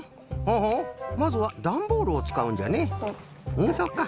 うんそっか。